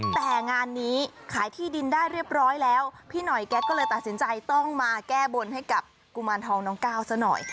แต่งานนี้ขายที่ดินได้เรียบร้อยแล้วพี่หน่อยแกก็เลยตัดสินใจต้องมาแก้บนให้กับกุมารทองน้องก้าวซะหน่อย